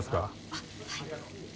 あっはい。